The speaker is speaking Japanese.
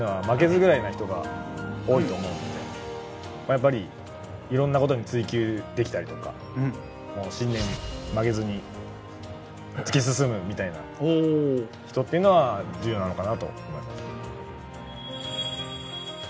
やっぱりいろんなことに追求できたりとかもう信念曲げずに突き進むみたいな人っていうのは重要なのかなと思います。